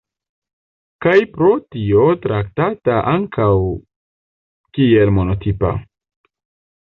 Kaj pro tio traktata ankaŭ kiel monotipa.